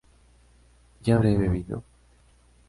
¿yo habré bebido?